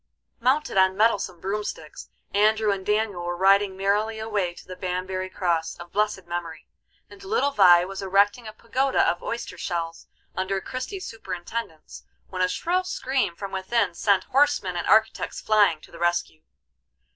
Mounted on mettlesome broomsticks Andrew and Daniel were riding merrily away to the Banbury Cross, of blessed memory, and little Vie was erecting a pagoda of oyster shells, under Christie's superintendence, when a shrill scream from within sent horsemen and architects flying to the rescue.